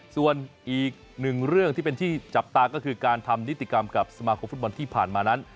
ส่วนอีกหนึ่งเรื่องที่เป็นที่จับตาก็คือการทำนิติกรรมกับสมาคมฟุตบอลที่ผ่านมานั้น